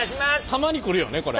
たまに来るよねこれ。